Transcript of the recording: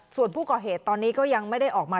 ส่วนผู้ก่อเหตุตอนนี้ก็ยังไม่ได้ออกมา